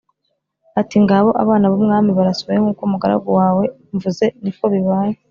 ati “Ngabo abana b’umwami barasohoye, nk’uko umugaragu wawe mvuze ni ko bibaye.”